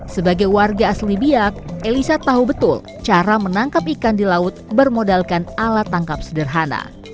sebagai warga asli biak elisa tahu betul cara menangkap ikan di laut bermodalkan alat tangkap sederhana